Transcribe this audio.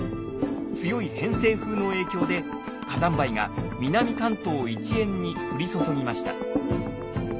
強い偏西風の影響で火山灰が南関東一円に降り注ぎました。